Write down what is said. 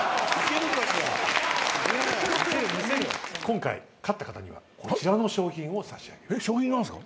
今回勝った方にはこちらの賞品を差し上げます。